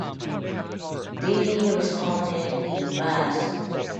Denny responded in verse.